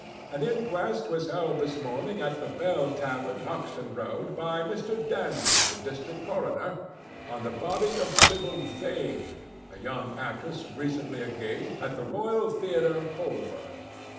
—An inquest was held this morning at the Bell Tavern, Hoxton Road, by Mr. Danby, the District Coroner, on the body of Sibyl Vane, a young actress recently engaged at the Royal Theatre, Holborn.